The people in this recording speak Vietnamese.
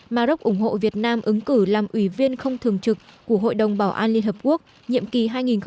maroc ủng hộ việt nam ứng cử làm ủy viên không thường trực của hội đồng bảo an liên hợp quốc nhiệm kỳ hai nghìn hai mươi hai nghìn hai mươi một